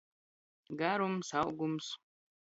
Garums, augums.